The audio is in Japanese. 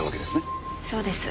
そうです。